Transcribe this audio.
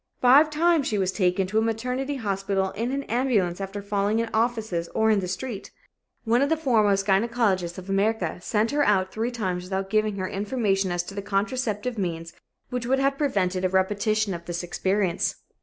Five times she was taken to a maternity hospital in an ambulance after falling in offices or in the street. One of the foremost gynecologists of America sent her out three times without giving her information as to the contraceptive means which would have prevented a repetition of this experience.